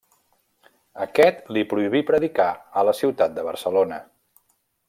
Aquest li prohibí predicar a la ciutat de Barcelona.